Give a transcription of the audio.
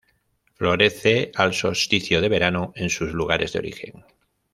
Florece al solsticio de verano, en sus lugares de origen.